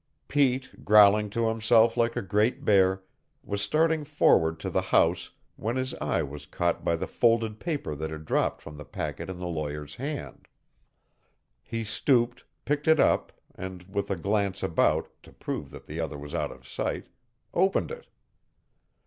Pete, growling to himself like a great bear, was starting forward to the house when his eye was caught by the folded paper that had dropped from the packet in the lawyer's hand. He stooped, picked it up, and, with a glance about, to prove that the other was out of sight, opened it.